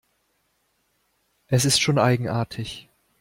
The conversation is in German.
Es ist schon eigenartig.